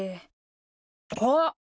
あっ！